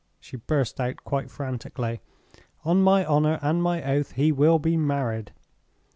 she burst out quite frantically. 'On my honor and my oath, he will be married!